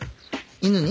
犬に？